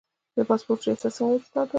د پاسپورت ریاست څنګه اسناد ورکوي؟